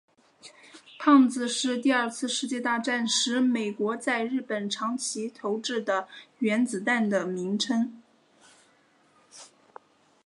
胖子是第二次世界大战时美国在日本长崎投掷的原子弹的名称。